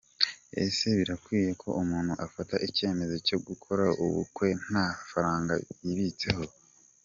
Ese birakwiye ko umuntu afata icyemezo cyo gukora ubukwe nta faranga yibitseho ?.